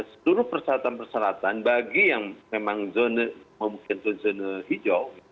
seluruh perseratan perseratan bagi yang memang mungkin zona hijau